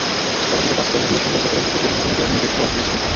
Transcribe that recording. কমিটিকে পাঁচ কর্মদিবসের মধ্যে তদন্ত প্রতিবেদন জমা দেওয়ার নির্দেশ দেওয়া হয়েছে।